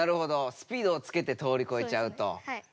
スピードをつけて通りこえちゃうということですね。